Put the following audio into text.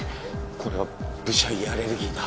これはぶしゃ家アレルギーだ。